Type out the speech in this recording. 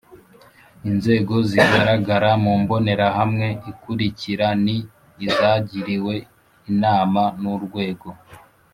Inzego zigaragara mu mbonerahamwe ikurikira ni izagiriwe inama n Urwego